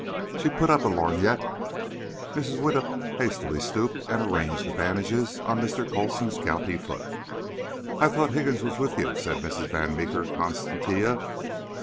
She put up a lorgnette. Mrs. Widdup hastily stooped and arranged the bandages on Mr. Coulson's gouty foot. "I thought Higgins was with you," said Miss Van Meeker Constantia.